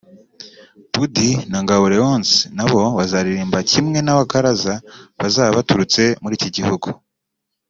Budi na Ngabo Leonce na bo bazaririmba kimwe n’abakaraza bazaba baturutse muri iki gihugu